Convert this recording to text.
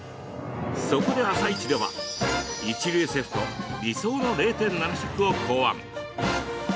そこで「あさイチ」では一流シェフと理想の０．７食を考案。